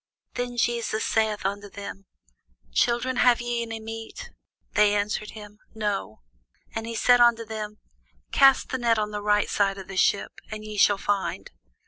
Then Jesus saith unto them, Children, have ye any meat? They answered him, No. And he said unto them, Cast the net on the right side of the ship, and ye shall find.